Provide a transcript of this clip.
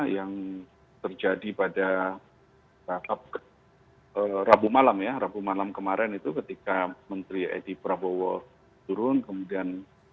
yang terjadi pada rabu malam ya rabu malam kemarin itu ketika menteri edi prabowo turun kemudian